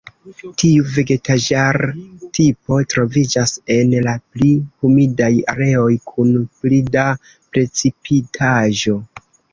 Tiu vegetaĵar-tipo troviĝas en la pli humidaj areoj kun pli da precipitaĵo.